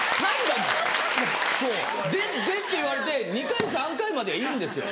「で？で？」って言われて２回３回まではいいんですよ。